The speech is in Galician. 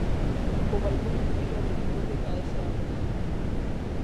O balcón inferior evitou que caese á rúa.